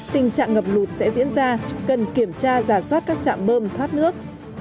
tình trạng ngập lụt sẽ diễn ra cần kiểm tra giả soát các trạm bơm thoát nước